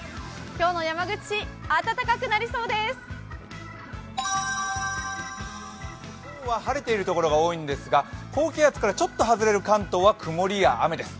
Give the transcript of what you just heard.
今日の山口市、暖かくなりそうです今日は晴れている所が多いんですが、高気圧からちょっと外れる関東は曇りや雨です。